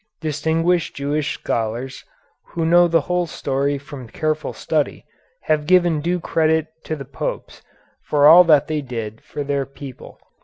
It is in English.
Distinguished Jewish scholars, who know the whole story from careful study, have given due credit to the Popes for all that they did for their people.